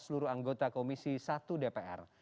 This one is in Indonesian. seluruh anggota komisi satu dpr